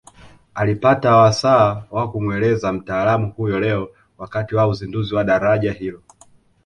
Alipata wasaa wa kumueleza mtaalamu huyo leo wakati wa uzinduzi wa daraja hilo